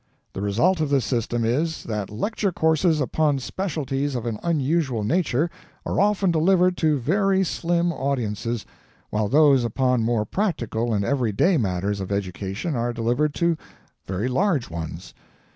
The result of this system is, that lecture courses upon specialties of an unusual nature are often delivered to very slim audiences, while those upon more practical and every day matters of education are delivered to very large ones.